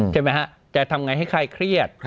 จะทำไงให้ใครเครียด